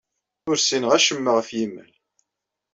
Ur ssineɣ acemma ɣef yimal.